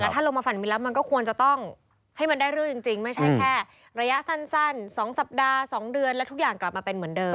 ถ้าลงมาฝันมีแล้วมันก็ควรจะต้องให้มันได้เรื่องจริงไม่ใช่แค่ระยะสั้น๒สัปดาห์๒เดือนแล้วทุกอย่างกลับมาเป็นเหมือนเดิม